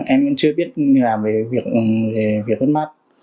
em chưa biết làm về việc đất mát